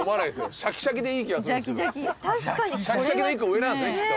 「シャキシャキの一個上なんですね、きっと」